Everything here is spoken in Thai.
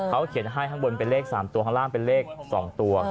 เขาเขียนให้ข้างบนเป็นเลข๓ตัวข้างล่างเป็นเลข๒ตัว